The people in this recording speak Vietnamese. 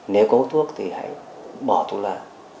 nếu có hút thuốc thì hãy bỏ thuốc lá